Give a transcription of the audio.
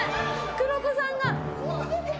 黒子さんが。